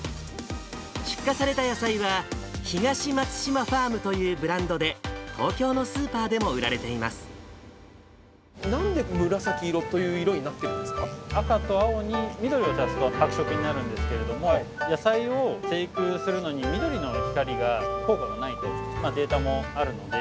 出荷された野菜は、東松島ファームというブランドで、東京のスーなんで紫色という色になって赤と青に緑を足すと、白色になるんですけれども、野菜を生育するのに緑の光が効果がないというデータもあるので。